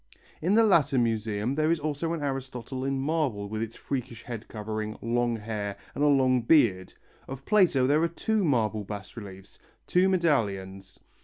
In the latter museum there is also an Aristotle in marble with its freakish head covering, long hair and a long beard; of Plato there are two marble bas reliefs, two medallions.